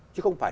chứ không phải